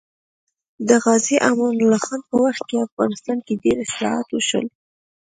د غازي امان الله خان په وخت کې افغانستان کې ډېر اصلاحات وشول